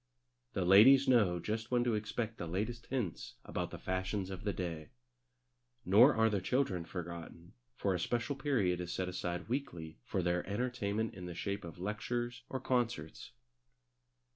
The ladies know just when to expect the latest hints about the fashions of the day. Nor are the children forgotten, for a special period is set aside weekly for their entertainment in the shape of lectures or concerts.